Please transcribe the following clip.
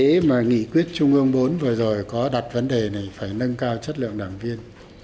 vì mà nghị quyết trung ương bốn vừa rồi có đặt vấn đề này phải nâng cao chất lượng đảng viên